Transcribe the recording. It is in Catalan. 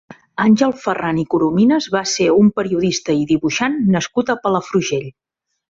Àngel Ferran i Coromines va ser un periodista i dibuixant nascut a Palafrugell.